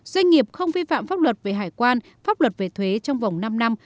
doanh nghiệp không vi phạm pháp luật về hải quan pháp luật về thuế trong vòng năm năm